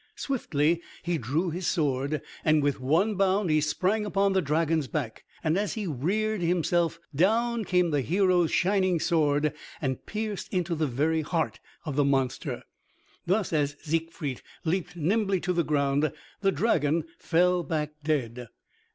Swiftly he drew his sword, and with one bound he sprang upon the dragon's back, and as he reared himself, down came the hero's shining sword and pierced into the very heart of the monster. Thus as Siegfried leaped nimbly to the ground, the dragon fell back dead.